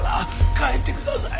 帰ってください。